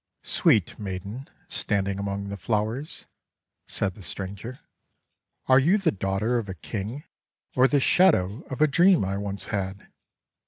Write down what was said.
''Sweet Maiden standing among the flowers," said the stranger, "are you the daughter of a King or the shadow of a dream I once had?'